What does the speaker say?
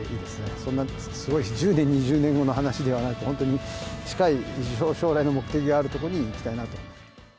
そんなすごい、１０年、２０年後の話ではなく、本当に近い将来の目的があるとこに行きたいなと。